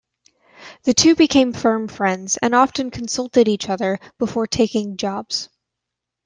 The two became firm friends and often consulted each other before taking jobs.